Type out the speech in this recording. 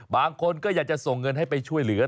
บางคนก็อยากจะส่งเงินให้ไปช่วยเหลือ